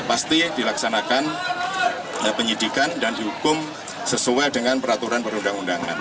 pasti dilaksanakan penyidikan dan dihukum sesuai dengan peraturan perundang undangan